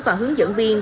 và hướng dẫn viên